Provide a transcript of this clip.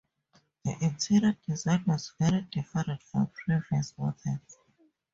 The interior design was very different from previous models.